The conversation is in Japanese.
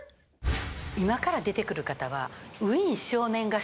今から出てくる方は。